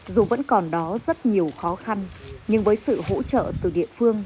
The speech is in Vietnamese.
dù vẫn còn đó rất nhiều khó khăn nhưng với sự hỗ trợ từ địa phương